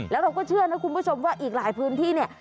แล้วเราก็เชื่อนะคุณผู้ชมว่าอีกหลายพื้นที่เนี่ย